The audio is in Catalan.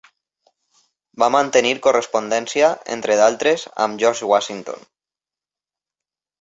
Va mantenir correspondència, entre d'altres, amb George Washington.